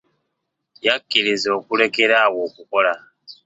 Yakkirizza okulekera awo okukola.